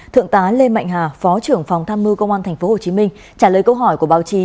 thượng tá lê mạnh hà phó trưởng phòng tham mưu công an tp hcm trả lời câu hỏi của báo chí